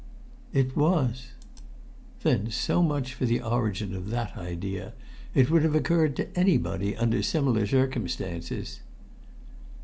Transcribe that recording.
"It was!" "Then so much for the origin of that idea! It would have occurred to anybody under similar circumstances."